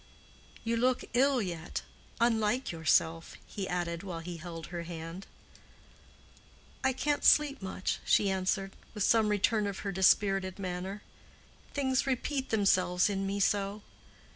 "You look ill yet—unlike yourself," he added, while he held her hand. "I can't sleep much," she answered, with some return of her dispirited manner. "Things repeat themselves in me so.